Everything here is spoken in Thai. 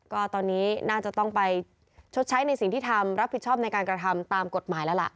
ก็ตอนนี้น่าจะต้องไปชดใช้ในสิ่งที่ทำรับผิดชอบในการกระทำตามกฎหมายแล้วล่ะ